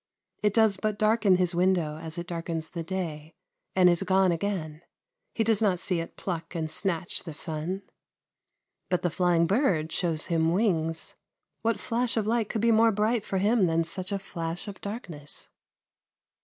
It does but darken his window as it darkens the day, and is gone again; he does not see it pluck and snatch the sun. But the flying bird shows him wings. What flash of light could be more bright for him than such a flash of darkness?